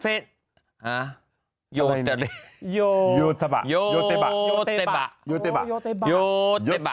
เฟรนด์ยูเต้บะ